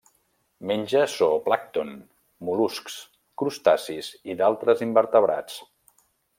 Menja zooplàncton, mol·luscs, crustacis i d'altres invertebrats.